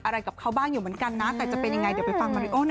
อะไรกับเขาบ้างอยู่เหมือนกันนะแต่จะเป็นยังไงเดี๋ยวไปฟังมาริโอหน่อย